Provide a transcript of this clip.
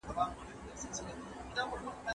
هر ساعت لږ خوځښت وکړه